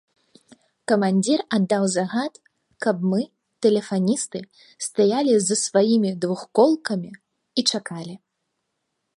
Камандзір аддаў загад, каб мы, тэлефаністы, стаялі з сваімі двухколкамі і чакалі.